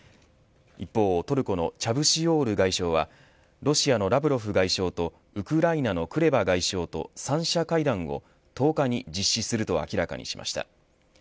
一方トルコのチャブチオール外相はロシアのラブロフ外相とウクライナのクレバ外相と三者会談を１０日に実施すると明らかにしました。